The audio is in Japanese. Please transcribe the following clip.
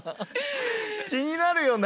気になるよね。